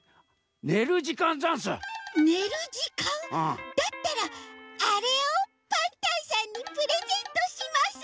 ねるじかん？だったらあれをパンタンさんにプレゼントします。